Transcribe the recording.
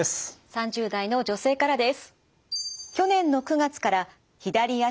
３０代の女性からです。